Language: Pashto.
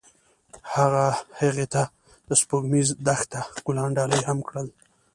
هغه هغې ته د سپوږمیز دښته ګلان ډالۍ هم کړل.